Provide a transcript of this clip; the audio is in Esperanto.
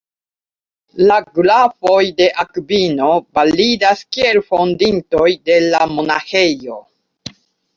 La grafoj de Akvino validas kiel fondintoj de la monaĥejo.